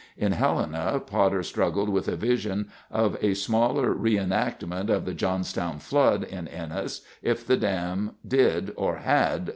In Helena, Potter struggled with a vision of a smaller re enactment of the Johnstown Flood in Ennis if the dam did, or had, let go.